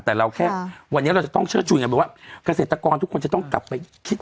แล้วเราจะทำกันอย่างไรให้มันเป็นสาขน